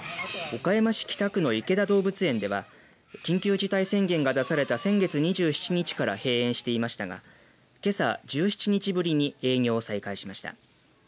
岡山市北区の池田動物園では緊急事態宣言が出された先月２７日から閉園していましたがけさ１７日ぶりに営業を再開しました。